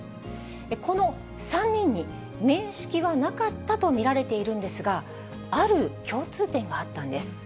この３人に面識はなかったと見られているんですが、ある共通点があったんです。